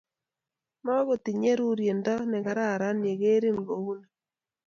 mokotinyei rorionde nekararan yegeerin kou ni